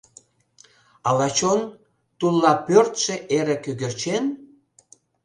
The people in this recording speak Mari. Ала чон — тулла пӧрдшӧ эрык кӧгӧрчен?